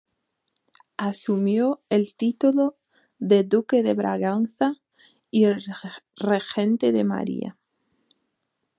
Asumió el título de duque de Braganza y regente de María.